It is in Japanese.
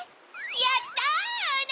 やったの！